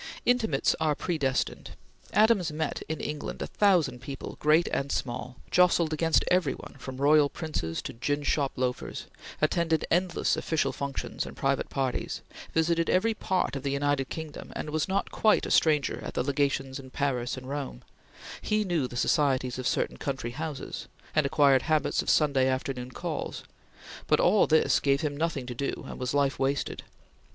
Intimates are predestined. Adams met in England a thousand people, great and small; jostled against every one, from royal princes to gin shop loafers; attended endless official functions and private parties; visited every part of the United Kingdom and was not quite a stranger at the Legations in Paris and Rome; he knew the societies of certain country houses, and acquired habits of Sunday afternoon calls; but all this gave him nothing to do, and was life wasted.